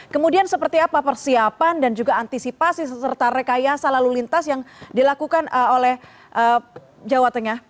kemudian seperti apa persiapan dan juga antisipasi serta rekayasa lalu lintas yang dilakukan oleh jawa tengah